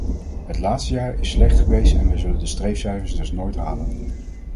Het laatste jaar is slecht geweest en wij zullen de streefcijfers dus nooit halen.